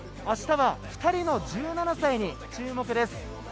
明日は２人の１７歳に注目です。